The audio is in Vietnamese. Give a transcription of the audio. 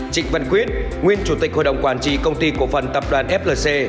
trịnh văn quyết nguyên chủ tịch hội đồng quản trị công ty cổ phần tập đoàn flc